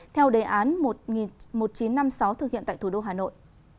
theo đề án một nghìn chín trăm năm mươi sáu thực hiện tại thủ đô hà nội